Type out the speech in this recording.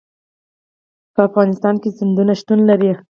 په افغانستان کې سیندونه شتون لري.